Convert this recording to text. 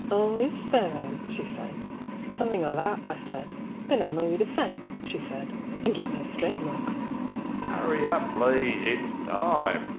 Oh is there, she said. Something o' that, I said. 150 Then I'll know who to thank, she said, and give me a straight look.